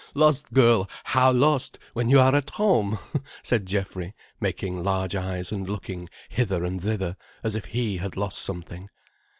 Lost girl! How lost, when you are at home?" said Geoffrey, making large eyes and looking hither and thither as if he had lost something.